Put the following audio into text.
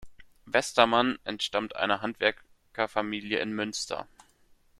Westermann entstammt einer Handwerkerfamilie in Münster.